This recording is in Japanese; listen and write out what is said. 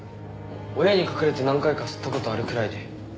親に隠れて何回か吸った事あるくらいで。